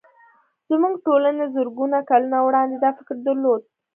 زموږ ټولنې زرګونه کلونه وړاندې دا فکر درلود